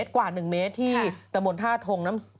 ๑เมตรกว่า๑เมตรที่ตระบวนธาตุทรงน้ำ